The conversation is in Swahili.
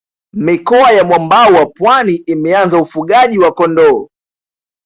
mikoa ya mwambao wa pwani imeanza ufugaji wa kondoo